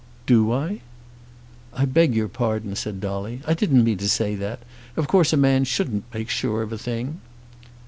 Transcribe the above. "Do I?" "I beg your pardon," said Dolly. "I didn't mean to say that. Of course a man shouldn't make sure of a thing."